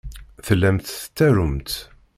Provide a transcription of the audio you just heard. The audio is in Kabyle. Tellamt tettarumt.